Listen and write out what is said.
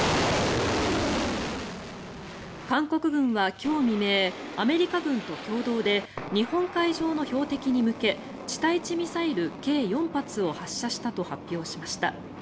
韓国軍は今日未明アメリカ軍と共同で日本海上の標的に向け地対地ミサイル計４発を発射したと発表しました。